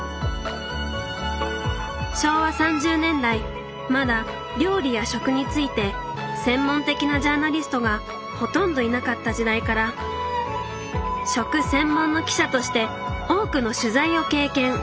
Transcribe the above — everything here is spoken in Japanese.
昭和３０年代まだ料理や食について専門的なジャーナリストがほとんどいなかった時代から食専門の記者として多くの取材を経験。